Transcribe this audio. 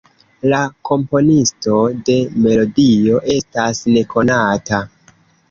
La komponisto de melodio estas nekonata.